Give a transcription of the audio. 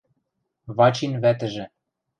Вачин вӓтӹжӹ...